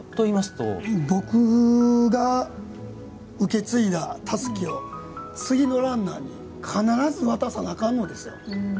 僕が受け継いだ、たすきを次のランナーに必ず渡さなあかんのですよ。